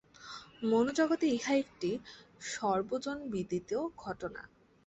মনোজগতে ইহা একটি সর্বজনবিদিত ঘটনা।